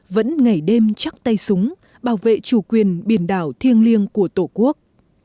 vẫn ngày đêm chắc tay súng bảo vệ chủ quyền biển đảo thiêng liêng của tổ quốc